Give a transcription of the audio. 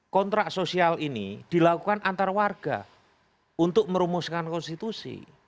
kontrak sosial ini dilakukan antar warga untuk merumuskan konstitusi